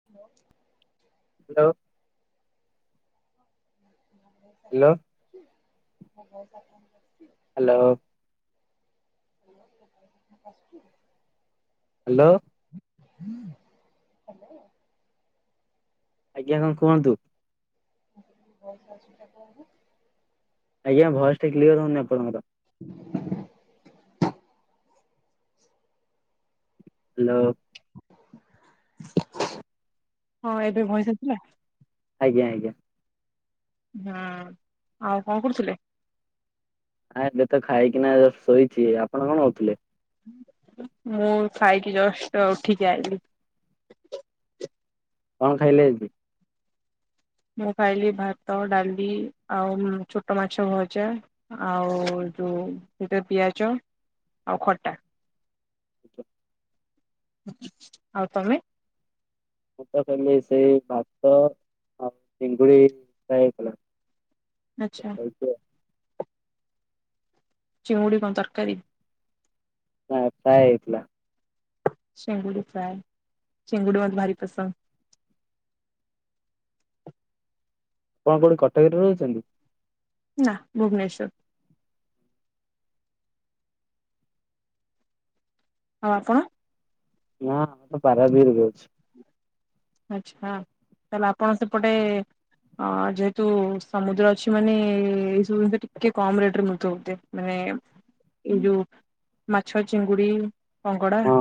ହା ଲୋ। Hello. [unintelligible] Hello. [inaudible] Hello. [inaudible] Hello. ଆଜ୍ଞା କଣ କୁହନ୍ତୁ? [inaudible] ଆଜ୍ଞା ଭଏସ୍ ଟା କ୍ଳିଅର ହଉନି ଆପଣଙ୍କ। [inaudible] ହାଲୋ ହଁ ଏବେ ଭଏସ ଆସିଲା? ଆଜ୍ଞା ଆଜ୍ଞା। ହଁ ଆଉ କଣ କରୁଥିଲେ? ଆଁ ଏବେ ତ ଖାଇକିନା ଜଷ୍ଟ ଶୋଇଚି ଆପଣ କଣ କରୁଥିଲେ? ମୁଁ ଖାଇକି ଜଷ୍ଟ ଉଠିକି ଆଇଲିି। କଣ ଖାଇଲେ ଆଜିି? ମୁଁ ଖାଇଲି ଭାତ ଡାଲି ଆଉ ଉଁ ଛୋଟ ମାଛ ଭଜା। ଆଉ ଯୋଉ ଗୋଟେ ପିଆଜ ଆଉ ଖଟା। ଆଉ ତମେ? [unintelligible] ସେଇ ଭାତ ଆଉ ଚିଙ୍ଗୁଡି ଖାଇଥିଲା। ଆଛା। କୁଅ। ଚିଙ୍ଗୁଡି କଣ ତରକାରୀ। ନା ଫ୍ରାଏ ହେଇଥିଲା। ଚିଙ୍ଗୁଡ଼ି ଫ୍ରାଏ ଚିଙ୍ଗୁଡି ମତେ ଭାରି ପସନ୍ଦ। କଣ କୋଉଠି କଟକରେ ରହୁଚନ୍ତି। ନା ଭୁବନେଶ୍ୱର। ଆଉ ଆପଣ। ନା ମୁଁ ପା ପାରାଦିପିରେ ଅଛି। ଆଚ୍ଛା ତାହେଲେ ଆପଣ ସେପଟେ ଅଁ ଯେହେତୁ ସମୁଦ୍ର ଅଛି ମାନେ ଏଇସବୁ ଜିନିଷ ଟିକେ କମ ରେଟ ରେ ମିଳୁଥିବ ବୋଧେ। ମାନେ ଏଇ ଯୋଉ ମାଛ ଚିଙ୍ଗୁଡି କଙ୍ଗଡ଼ା। ହଁ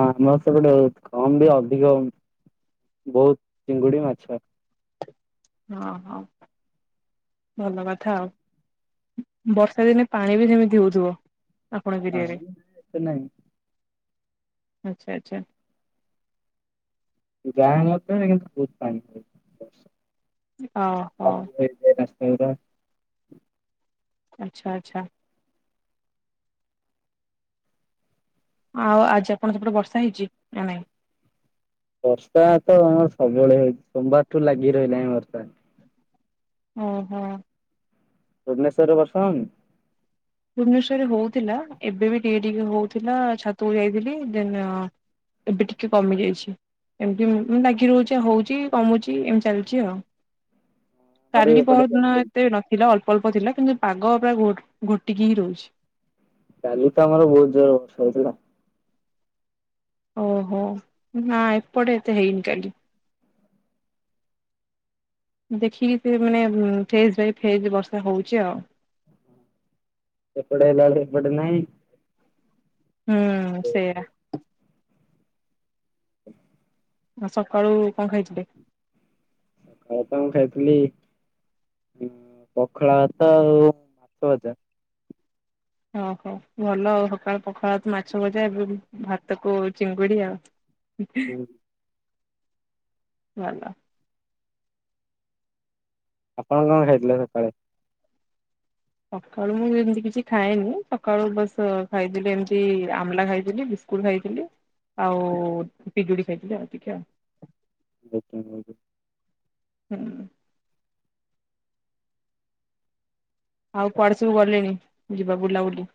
ଆମର ସେ [unintelligible] କମ ବି ଅଧିକ ହଉ ବୁଥ୍ ଚିଙ୍ଗୁଡି ମାଛ। ହଁ ହଁ। ଭଲ କଥା ଆଉ ବର୍ଷା ଦିନେ ପାଣି ବି ସେମିତି ହଉଥିବ। ଆପଣଙ୍କ ଏରିଆରେ ପାଣି ଏତେ ନାହିଁ ଆଛା ଆଛା। ଗାଁ ମଧ୍ୟରେ କିନ୍ତୁ ବହୁତ ପାଣି ହୁଏ ଓହୋ [unintelligible] ଏଇରା ଆଚ୍ଛା ଆଚ୍ଛା। ଆଉ ଆଜି ଆପଣ ସେପଟେ ବର୍ଷା ହେଇଚି ନା ନାଇଁ। ବର୍ଷା ତ ଆମ ସବୁବେଳେ ହଉଛି ସୋମବାରଠୁ ଲାଗି ରହିଲାଣି ବର୍ଷା। ଅ ହ। ଭୁବନେଶ୍ୱରରେ ବର୍ଷା ହଉନି। ଭୁବନେଶ୍ବରରେ ହଉଥିଲା ଏବେ ବି ଟିକେ ଟିକେ ହଉଥିଲା ଛାତକୁ ଯାଇଥିଲି ଦେନ୍। ଏବେ ଟିକିଏ କମି ଯାଇଛି। ଏମତି ଉଁ ଲାଗି ରହୁଚି ଆଉ ହଉଚି କମୁଚି ଏମ୍ ଚାଲିଚି ଆଉ। [unintelligible] କାଲି ପହରଦିନ ସେମିତି ହେଇଛି। ଏତେ ନଥିଲା ଅଳ୍ପ ଅଳ୍ପ ଥିଲା କିନ୍ତୁ ପାଗ ପୁରା ଘୋ ଘୋଟିକି ହିଁ ରହୁଚି। କାଲି ତ ଆମର ବୋହୁତ ଜୋର ବର୍ଷା ହଉଥୁଲା। ଓହୋ ନାଁ ଏପଟେ ଏତେ ହେଇନି କାଲି। ଦେଖିକି ସେ ମାନେ ଫେଜ୍ ବାଇ ଫେଜେ ବର୍ଷା ହଉଚି ଆଉ। ସେପଟେ ହେଲା ଏଳେ ଏପଟେ ନାହିଁ। ହୁଁ ସେଇଆ। [inaudible] ଆ ସକାଳୁ କଁ ଖାଇଥିଲେ? ଏ ତ ମୁଁ ଖାଇଥିଲି ଉଁ ପଖାଳା ଭାତ ଆଉ ମାଛ ଭାତ। ଓହୋ ଭଲ ଆଉ ସକାଳୁ ପଖାଳ ଭାତ ମାଛ ଭଜା ଏବେ ବି ଭାତକୁ ଚିଙ୍ଗୁଡ଼ି ଆଉ। ଭଲ। ଆପଣ କଁ ଖାଇଥିଲେ ସକାଳେ? ସକାଳୁ ମୁଁ ଯେ ଏମତି କିଛି ଖାଏନି ସକାଳୁ ବାସ୍ ଖାଇଥିଲି ଏମିତି ଆମ୍ଳା ଖାଇଥିଲି ବି କୁଡ଼ ଖାଇଥିଲି ଆଉ ପିଜୁଳି ଖାଇଥିଲି ଆଉ ଟିକେ ଆ। ଦୀକ୍ଷା ନୋଉଚ। ହୁଁ। ଆଉ କୁଆଡ଼େ ସବୁ ଗଲେଣି ଯିବା ବୁଲାବୁଲି?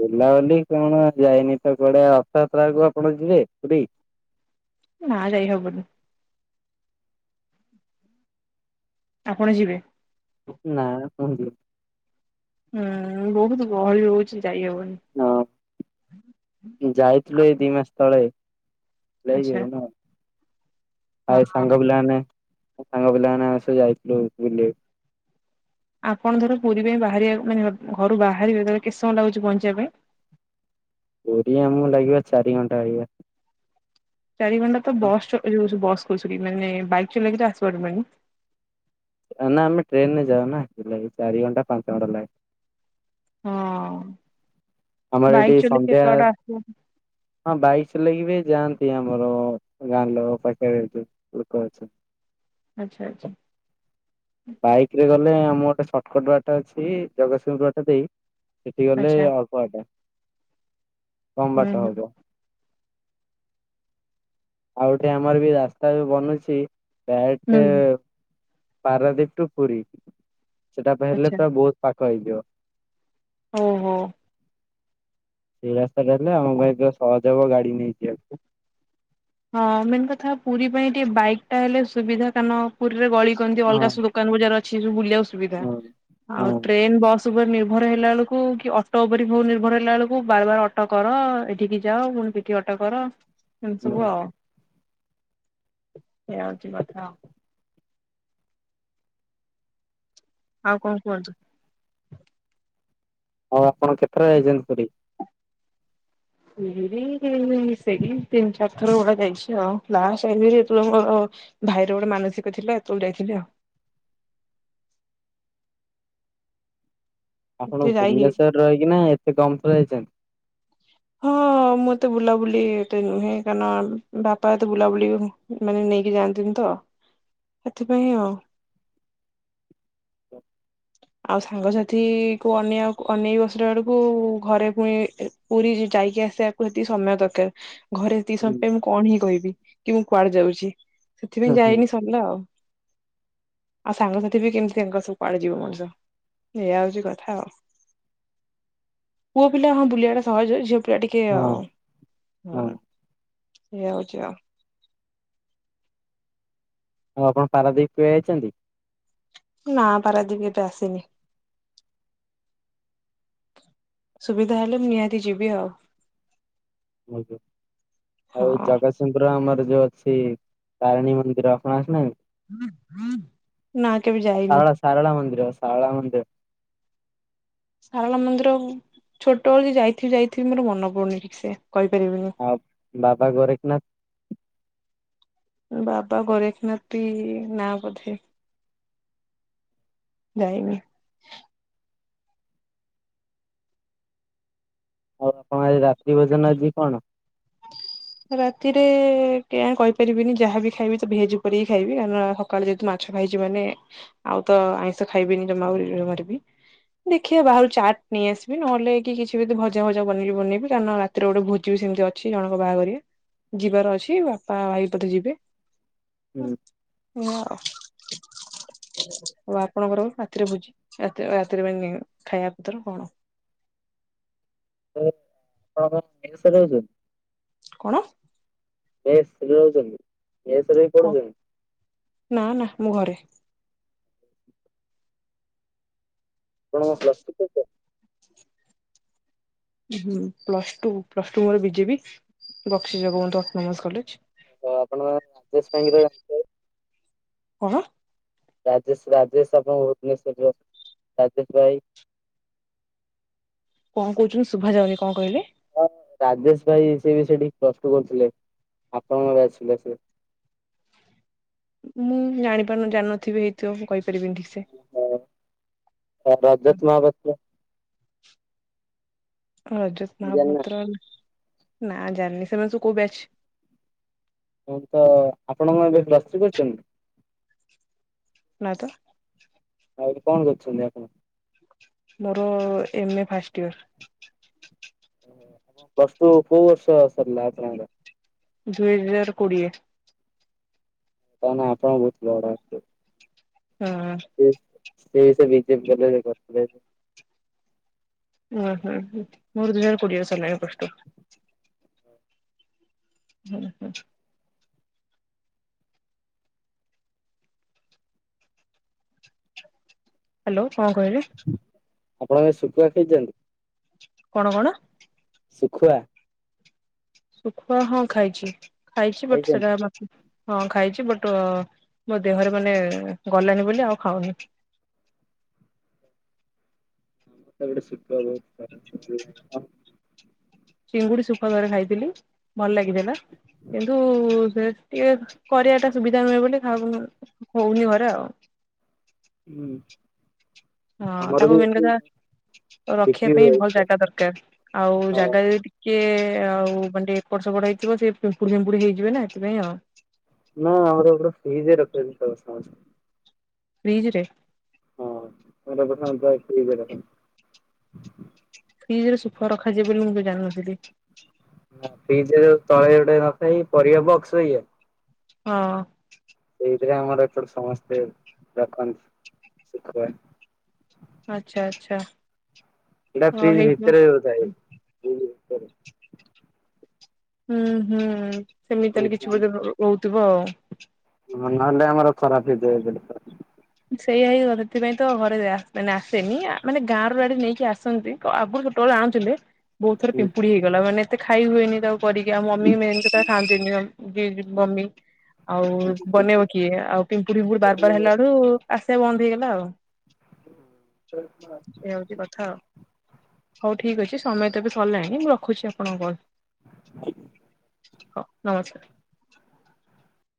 ବୁଲାବୁଲି କଣ ଯାଇନି ତ କୁଆଡ଼େ। ରଥଯାତ୍ରାକୁ ଆପଣ ଯିବେ ପୁରୀ? ନାଁ ଯାଇ ହବନି। ଆପଣ ଯିବେ? ନାଁ ମୁଁ ଦି ହୁଁ ବୋହୁତ ଗହଳି ହଉଚି ଯାଇ ହବନି। ନ ଯାଇଥିଲୁ ଏଇ ଦି ମାସ ତଳେ। ଲାଇ ଆଚ୍ଛା। ଯିବୁନା ଆଃ ଏ ସାଙ୍ଗ ପିଲାମାନେ ମୋ ସାଙ୍ଗ ପିଲାମାନେ ଆମେ ସବୁ ଯାଇଥିଲୁ ବୁଲିଆ ଆପଣ ଧର ପୁରୀ ପାଇଁ ବାହାରିବା ମାନେ ଘରୁ ବାହାରିବେ ତେବେ କେତେ ସମୟ ଲାଗୁଚି ବହଞ୍ଚିବା ପାଇଁ? ପୁରୀ ଆମୁକୁ ଲାଗିବ ଚାରି ଘଣ୍ଟା ବାଗିଆ। ଚାରି ଘଣ୍ଟା ତ ବସ୍ ଚ ଏ ଯୋଉ ସୁ ବସ୍ କହୁ ସରି ମାନେ ବାଇକ୍ ଚଲେଇକି ତ ଆସି ପାରୁବନି। ଆ ନା ଆମେ ଟ୍ରେନୁ ରେ ଯାଉ ନା ଜୁଲାଇ ଚାରି ଘଣ୍ଟା ପାଞ୍ଚ ଘଣ୍ଟା ଲା ହଁ ଆମର ଏଠି ବାଇକ୍ ଚଲେଇ ସନ୍ଧ୍ୟା କେତେ ବାଟ ଆସିବ? ହଁ ବାଇକ୍ ଚଲେଇକି ବି ଯାଆନ୍ତି ଆମର ଗାଁ ଲୋକ ପାଖରେ ସେ। ଲୋକ ଅଛ ଆଚ୍ଛା ଆଚ୍ଛା। ବାଇକ୍ ରେ ଗଲେ ଆମ ଗୋଟେ ସର୍ଟକଟ୍ ବାଟ ଅଛି ଜଗତସିଂହପୁ ବାଟ ଦେଇ ସେଠି ଗଲେ ଆଚ୍ଛା ଅ ପ ଆଟ କମ୍ ହୁଁ ବାଟ ହୁଁ। ହବ। ଆଉ ଗୋଟେ ଆମର ବି ରାସ୍ତା ବି ବନୁଛି ହୁଁ ଡାଇରେକ୍ଟ ପାରାଦୀପ ଟୁ ପୁରୀ ସେଟା ବେ ହେଲେ ଆଚ୍ଛା ତ ବୋହୁତ ପାଖ ହେଇଯିବ। ଓହୋ। ଏ ରାସ୍ତାଟା ହେଲେ ଆମ ପାଇଁ ତ ସହଜ ହବ ଗାଡ଼ି ନେଇକିି ଯିବାକୁ। ହଁ ମେନ୍ କଥା ପୁରୀ ପାଇଁ ଟିକେ ବାଇକ୍ ଟା ହେଲେ ସୁବିଧା କାନ ପୁରୀରେ ଗଳି କନ୍ଦି ହଁ ଅଲଗା ସୁଦୁ କାନ ବଜାର ଅଛି ସବୁ ବୁଲିବାକୁ ସୁବିଧା। ହୁଁ ହୁଁ ଆଉ ଟ୍ରେନ ବସ୍ ତୁବ ନିର୍ଭର ହେଲା ଅଳୁକୁ କି ଅଟୋ ଉପରେ ହୋଉ ନିର୍ଭର ହେଲା ଅଳୁକୁ ବାର ବାର ଅଟୋ କର ଏଠିକି ଯାଅ ପୁଣି କି ଅଟ କର ଏମିତି ସବୁ ହୁଁ ଆଉ ଏଇଆ ହଉଚି କଥା। ଆଉ କଣ କୁହନ୍ତୁ? ଆଉ ଆପଣଙ୍କ କେତେଥର ଯାଇଛନ୍ତି ପୁରୀ? ଏଇ ସେଇ ତିନି ଚାରି ଥର ଭଳିଆ ଯାଇଛି ଆଉ ଲାଷ୍ଟ ଟାଇମରେ ଯେତବେଳେ ଆମର ଭାଇର ଗୋଟେ ମାନସିକ ଥିଲା ସେତେବେଳେ ଯାଇଥିଲି ଆଉ। ଆପଣ ଏତେ ଯାଇ ହେଇ ଭୁବନେଶ୍ୱରରେ ରହିଁକିନା ଏତେ କମ୍ ଥରଯାଇଚନ୍ତି। ହଁ ମୁଁ ଏତେ ବୁଲାବୁଲି ଏତେ ନୁହେଁ କାରଣ ବାପା ଏତେ ବୁଲାବୁଲି ମାନେ ନେଇକି ଯାଆ ନ୍ତିନିତ ସେଥିପାଇଁ ଆଉ। ଆଉ ସାଙ୍ଗସାଥି କୁ ଅନେଇଆକୁ ଅନେଇ ବସିଲା ବେଳକୁ ଘରେ ପୁଣି ପୁରୀ ଯାଇକି ଆସିବାକୁ ସେତିକି ସମୟ ଦରକାର। ଘରେ ସେତିକି ହୁଁ ସମୟ ପାଇଁ ମୁଁ କଣ ହିଁ କହିବି କିମୁଁ କୁଆଡ଼େ ଯାଉଚି ସେଥିପାଇଁ ହୁଁ ଯାଇନି ସରିଲା ଆଉ ଆଉ ସାଙ୍ଗସାଥିବି କେମିତି ତାଙ୍କ ସବୁ ପାଳେ ଯିବ ମଣିଷ ଏଇଆ ହଉଚି କଥା ଆଉ। ପୁଅ ପିଲା ହଁ ବୁଲିବାଟା ସହଜ ଝିଅ ଟିକେ ହଁ ଆଉ ହଁ ଏୟା ହଉଚି ଆଉ। ଆଉ ଆପଣ ପାରାଦ୍ୱୀପ କେବେ ଯାଇଚନ୍ତି? ନା ପାରାଦୀପ ଏତେ ଆସିନି। ସୁବିଧା ହେଲେ ମୁଁ ନିହାତି ଯିବି ଆଉ। ଆଜ୍ଞା ଆଉ ହଁ ଜଗ ପୁରର ଆମର ଯୋଉ ଅଛି ତାରିଣୀ ମନ୍ଦିର ଆପଣ ଆସିନାହାନ୍ତି? ନା କେବେ ଯାଇନି। ଶାରଳା ଶାରଳା ମନ୍ଦିର ଶାରଳା ମନ୍ଦିର। ସାରଳା ମନ୍ଦିର ଛୋଟବେଳେ ଯାଇଥିବି ଯାଇଥିବି ମୋର ମନେ ପଡ଼ୁନିି ଠିକସେ କହିପାରିବିନି। ଆଉ ବାବା ଗୋରେଖନାଥ? ବାବା ଗୋରେଖନାଥବି ନାଁ ବୋଧେ। ଯାଇନି। ଆଉ ଆପଣ ଆଜି ରାତି ଭୋଜନ ଆଜି କଣ? ରାତିରେ କେଆଣି କହିପାରିବିନି ଯାହାବି ଖାଇବି ତଭେଜ୍ ଉପରେ ହିଁ ଖାଇବି ଆଉ ନହ ସକାଳେ ଯେହେତୁ ମାଛ ଖାଇଛି ମାନେ ଆଉତ ଆଇଁଷ ଖାଇବିନି ଜମା ଏଓଲି ବାରିବି। ଦେଖିବା ବାହାରୁ ଚାଟ୍ ନେଇ ଆସିବି ନହେଲେ କି କିଛିବି ଭଜା ଭଜା ବନେଇି ବନେଇି କାରଣ ରା ତିରେ ଗୋଟେ ଭୋଜିବି ସେମିତି ଅଛି ଜଣଙ୍କ ବାହାଘରିଆ। ଯିବାର ଅଛି ବାପା ଭାଇପ ବୋଧେ ଯିବେ। ଓ ଆଉ ଆପଣଙ୍କର ରାତିରେ ବୁଜି ରାତିରେ ରାତିରେ ପାଇଁ ଖାଇବା ପତ୍ର କଣ? ହଁ ହଁ ଇଏସ୍ ସାର୍ ଯାଉଚି। କଣ? ମେସରେ ରହୁଚନ୍ତି ମେସେର୍ କ ନା ନା ମୁଁ ଘରେ। ଆପଣ କଣ ପ୍ଲସ୍ ଥ୍ରି କରିଚ? ହୁଁ ପ୍ଲସ୍ ଟୁ ପ୍ଲସ୍ ଟୁ ମୋର BJP Bakshi Jagabandhu autonomous college. ତ ଆପଣ ରାଜେଶ ଭାଇଙ୍କୁତ ଜା କଁ? ରାଜେଶ ରାଜେଶ ଆପଣଙ୍କ ଭୁବନେଶ୍ୱରରେ ରାଜେଶ ଭାଇ? କଁ କହୁଚନ୍ତିୁ ଶୁଭାଯାଉନ କଁ କଇଲେ? ହଁ ରାଜେଶ ଭାଇ ସେବି ସେଠି ପ୍ଲସ୍ ଟୁ କରୁଥିଲେ ଆପଣଙ୍କବି ଆସଥିଲେ ସେ ମୁଁ ଜାଣିପାରୁନି ଜାନଥିବି ହେଇଥିବ ମୁଁ କହିପାରିବିନି ଠିକସେ। [unintelligible] ଅଜତ ଜାଣିନା ମହାପୁତ୍ର ନା ଜାନି ସେୟ ସବୁ କଉ ବ୍ୟାଚ। ହଁ ତ ଆପଣଙ୍କ ଏବେ ପ୍ଲସ ଥ୍ରୀ କରିଚନ୍ତି। ନା ତ। ଆଉ ଏବେ କଣ କରୁଚନ୍ତି ଆପଣ? ମୋର M A first year. Plus two କୋଉ ବର୍ଷସାରିଲ ଆପଣଙ୍କ? ଦୁଇ ହଜାର କୋଡିଏ। ତାନେ ଆପଣ ବହୁତ ବଡ [unintelligible] ହୁଁ। ସେ ବି ସେ ବିଜେପି କଲେଜ ରେ କରିଥିଲେ। ଉଁ ହଁ ମର୍ ଦି ହଜାର କଡିଏ ରୁ ସରଲାଣି ପ୍ଲସ ଟୁ। ହୁଁ ହୁଁ। ହ୍ୟାଲୋ କଣ କହିଲେ? ଆପଣ ଏ ଶୁକୁଆ ଖାଇଚନ୍ତି? କଣ କଣ? ଶୁଖୁଆ। ଶୁଖୁଆ ହଁ ଖାଇଚି ଖାଇଚି ବଟ ଖାଇଛନ୍ତି? ସେଟା ମତେ ହଁ ଖାଇଚି ବଟ ମୋ ଦେହରେ ମାନେ ଗଲାନି ବୋଲି ଆଉ ଖାଉନି। [unintelligible] ହ ଚିଙ୍ଗୁଡି ସୁଖୁଆ ଥରେ ଖାଇଥିଲି ଭଲ ଲାଗିଥିଲା। କିନ୍ତୁ ସେ ଟିକେ କରିବା ଟା ସୁବିଧା ନୁହେଁ ବୋଲି ଖାଉନୁ ହୋଉନି ଘରେ ଆଉ। ହୁଁ। ହଁ ଆମର ତାକୁ ବି ମେନ୍ ଏଠି କଥା ରଖିବା ବିକ୍ରି ପାଇଁ ହୁଏ ଭଲ ଜାଗା ଦରକାର। ଆଉ ହଁ। ଜାଗା ବି କିଏ ଆଉ ମାନେ ଏକଡ ସେକଡ ହେଇଥିବ ସେ ପିମ୍ପୁଡି ଫିମ୍ପୁଡି ହେଇଯିବ ନା ଏଥିପାଇଁ ଆଉ। ନା ଆମର ଏର ଫିଜ ରଖୁଛନ୍ତି [unintelligible] ଫିଜ ରେ [unintelligible] ଫ୍ରିଜରେ ସୁଖ ରଖାଯିବଏ ବୋଲି ମୁଁ ଜାଣିନଥିଲି। ନା ଫ୍ରିଜରେ ଯଉ ତଳେ ଗୋଟେ ନଥାଏ ପରିବା ବକ୍ସ ବାଗିଆ ହଁ। ସେଇଥିରେ ଆମର ଏପଟୁ ସମସ୍ତେ ରଖନ୍ତି ଶଖୁଆ। ଆଚ୍ଛା ଆଚ୍ଛା। ଏଇଟା ହଁ ଫ୍ରିଜ୍ ହେଇଥିବ ଭିତରେ ହଉଥାଏ। ହୁଁ ହୁଁ ସେମିତି ତାହଲେ କିଛି ବେଧେ ରହୁଥିବ ଆଉ। ହ ନହେଲେ ଆମର ଖରାପ ହେଇଯାଏ ଏପଟେ। ସେଇଆ ହେଇ ସେଥିପାଇଁ ତ ଘରେ ମାନେ ଆସେନି ମାନେ ଗାଁ ର ଆଡେ ନେଇକି ଆସନ୍ତି। ତ ଆଗରୁ ଛୋଟ ବେଳେ ଆଣୁଥିଲେ। ବହୁତଥ ପିମ୍ପୁଡି ହେଇଗଲା ମାନ ଏତେ ଖାଇ ହଏନି ତାକୁ କରିକିଉ ମମି ମେଥା ଖଥାଆନ୍ତିନି [unintelligible] ଜ ମମି ଆଉ ଏପଟେ। ବନେଇବ କିଏ ଆଉ ପିମ୍ପୁଡିି ଫିପୁଡି ବାର ବାର ହେଲା ଠୁ ଆସିବା ବନ୍ଦ ହେଇଗଲା ଆଉ। ହଁ ସେ। ଏଇ ହଉଚି କଥା ଆଉ ହଉ ଠିକ ଅଛି ସମୟ ତବେ ସିଲାଣି ମୁଁ ରଖୁଚି ଆପଣଙ୍କ କଲ। ଆଜଞା। ହଁ ନମସ୍କାର।